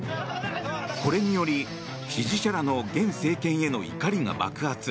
これにより、支持者らの現政権への怒りが爆発。